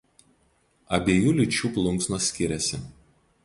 Abiejų lyčių plunksnos skiriasi.